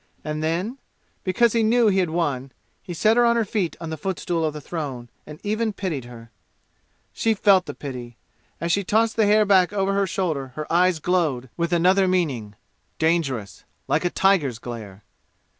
And then, because he knew he had won, he set her on her feet on the footstool of the throne, and even pitied her. She felt the pity. As she tossed the hair back over her shoulder her eyes glowed with another meaning dangerous like a tiger's glare.